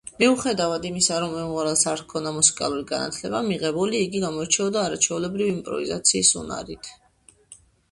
მიუხედავად იმისა რომ მომღერალს არ ჰქონდა მუსიკალური განათლება მიღებული, იგი გამოირჩეოდა არაჩვეულებრივი იმპროვიზაციის უნარით.